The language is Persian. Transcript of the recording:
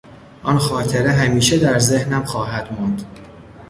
آن خاطره همیشه در ذهنم خواهد ماند.